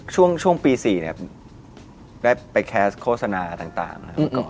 ช่วงปี๔ได้ไปแคสโฆษณาต่าง